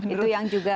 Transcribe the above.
itu yang juga